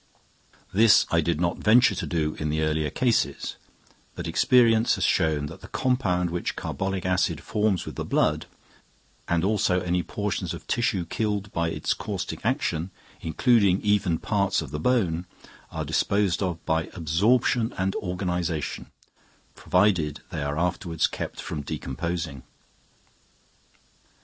] This I did not venture to do in the earlier cases; but experience has shown that the compound which carbolic acid forms with the blood, and also any portions of tissue killed by its caustic action, including even parts of the bone, are disposed of by absorption and organisation, provided they are afterwards kept from decomposing.